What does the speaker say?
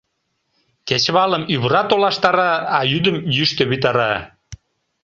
Кечывалым ӱвыра толаштара, а йӱдым йӱштӧ витара.